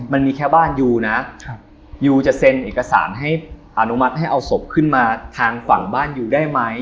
มันมีแค่บ้านยูนะยูจะเซ็นเอกสารให้อนุมัติให้เอาศพขึ้นมาทางฝั่งบ้านยูได้ไหม